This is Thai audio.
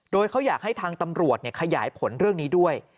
โดยเขาอยากให้ทางตำรวจขยายผลเรื่องนี้ด้วย